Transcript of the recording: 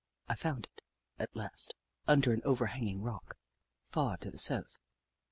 I found it, at last, under an overhanging rock, far to the south.